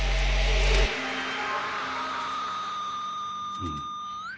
うん。